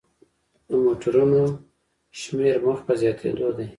د موټرونو شمیر مخ په زیاتیدو دی.